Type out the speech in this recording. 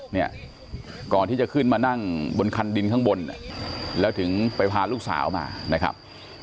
เนี่ยก่อนที่จะขึ้นมานั่งบนคันดินข้างบนแล้วถึงไปพาลูกสาวมานะครับ